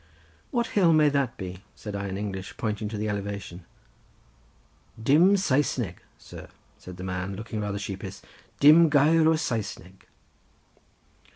"What hill may that be?" said I in English, pointing to the elevation. "Dim Saesneg, sir," said the man, looking rather sheepish, "Dim gair o Saesneg."